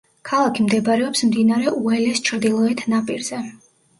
ქალაქი მდებარეობს მდინარე უელეს ჩრდილოეთ ნაპირზე.